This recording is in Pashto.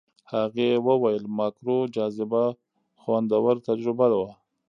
هغې وویل ماکرو جاذبه خوندور تجربه وه.